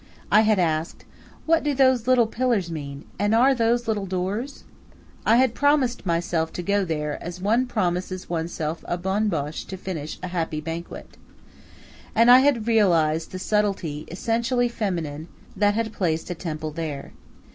I had asked: "What do those little pillars mean? And are those little doors?" I had promised myself to go there, as one promises oneself a bonne bouche to finish a happy banquet. And I had realized the subtlety, essentially feminine, that had placed a temple there.